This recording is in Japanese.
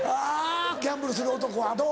ギャンブルする男はどう？